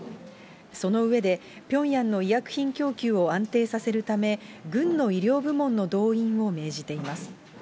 その上で、ピョンヤンの医薬品供給を安定させるため、軍の医療部門の動員を命じています。